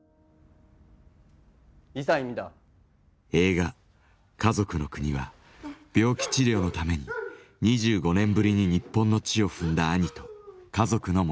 映画「かぞくのくに」は病気治療のために２５年ぶりに日本の地を踏んだ兄と家族の物語。